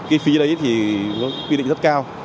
cái phí đấy thì quy định rất cao